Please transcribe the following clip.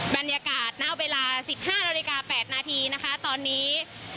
บรรยากาศน่าเวลาสิบห้าราดิกาแปดนาทีนะคะตอนนี้